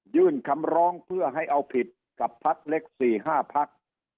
ยื่นคำร้องเพื่อให้เอาผิดกับพักเล็ก๔๕พัก